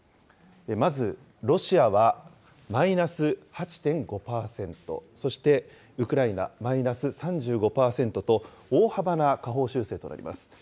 まずろしあはマイナス８．５％、そしてウクライナマイナス３５％と、大幅な下方修正となります。